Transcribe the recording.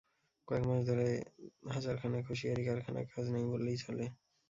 কয়েক মাস ধরে হাজার খানেক হোসিয়ারি কারখানায় কাজ নেই বললেই চলে।